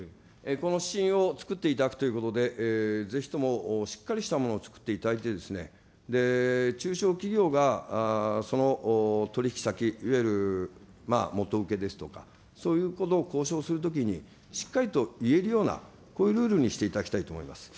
この指針を作っていただくということで、ぜひともしっかりとしたものをつくっていただいて、中小企業がその取引先、いわゆる元請けですとか、そういうことを交渉するときに、しっかりと言えるような、こういうルールにしていただきたいと思います。